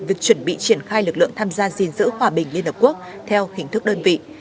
việc chuẩn bị triển khai lực lượng tham gia gìn giữ hòa bình liên hợp quốc theo hình thức đơn vị